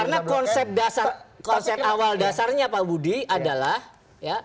karena konsep dasar konsep awal dasarnya pak budi adalah ya